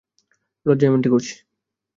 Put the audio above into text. লজ্জায় এমনটি করছি।